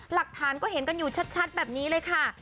หลักฐานก็เห็นกันอยู่ชัดแบบนี้เลยค่ะ